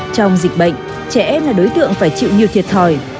trong dịch bệnh trẻ em là đối tượng phải chịu nhiều thiệt thòi